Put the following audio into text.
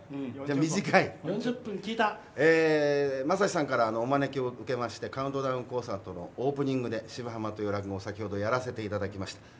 まさしさんからお招きを受けましてカウントダウンコンサートのオープニングで「芝浜」という落語をやらせていただきました。